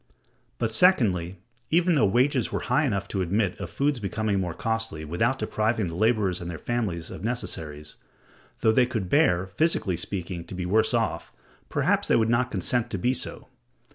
But, secondly, even though wages were high enough to admit of food's becoming more costly without depriving the laborers and their families of necessaries; though they could bear, physically speaking, to be worse off, perhaps they would not consent to be so.